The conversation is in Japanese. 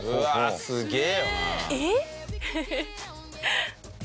すげえ。